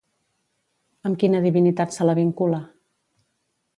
Amb quina divinitat se la vincula?